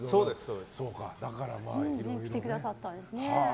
それでも来てくださったんですね。